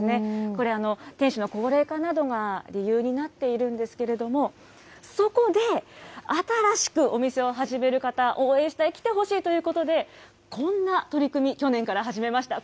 これ、店主の高齢化などが理由になっているんですけれども、そこで、新しくお店を始める方、応援したい、来てほしいということで、こんな取り組み、去年から始めました。